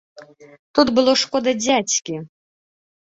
Тут было шкода дзядзькі.